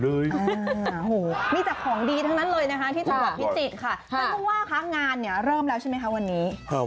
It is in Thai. แล้วก็ว่ายังงานเนี่ยเริ่มแล้วใช่ไหมคะวันนี้